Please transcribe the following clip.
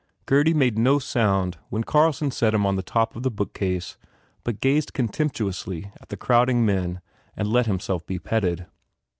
Gurdy made no sound when Carlson set him on the top of the bookcase but gazed contemptuously at the crowding men and let himself be petted.